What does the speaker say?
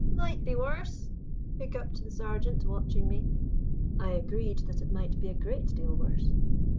"Might be worse!" hiccupped the sergeant, watching me. I agreed that it might be a great deal worse.